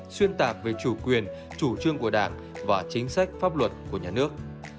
xuyên tạc về chủ quyền chủ trương của đảng và chính sách pháp luật của nhà nước